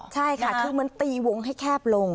ใช่ค่ะคือมันตีวงให้แคบลง